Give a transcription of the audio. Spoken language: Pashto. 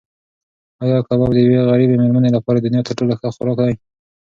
ایا کباب د یوې غریبې مېرمنې لپاره د دنیا تر ټولو ښه خوراک دی؟